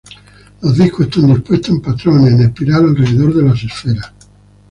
Los discos están dispuestos en patrones en espiral alrededor de las esferas.